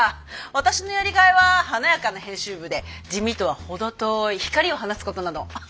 私のやりがいは華やかな編集部で地味とは程遠い光を放つことなの。